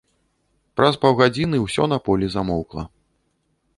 Праз паўгадзіны ўсё на полі замоўкла.